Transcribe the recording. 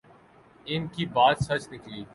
ان کی بات سچ نکلی۔